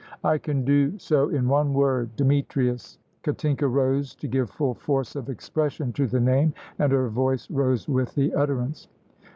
"I can do so in one word Demetrius." Katinka rose to give full force of expression to the name, and her voice rose with the utterance.